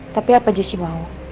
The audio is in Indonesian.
tapi apa jessy mau